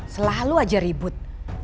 selalu aja ribut